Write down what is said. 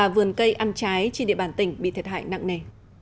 trên địa bàn tỉnh bị thiệt hại nặng nề